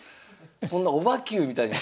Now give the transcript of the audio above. そんなオバＱみたいに。